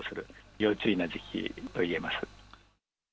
要注意な時期といえます。